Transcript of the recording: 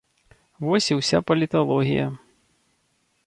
Вось і ўся паліталогія.